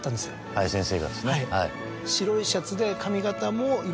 林先生がですね。